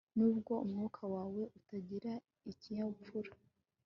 Nubwo umwuka wawe utagira ikinyabupfura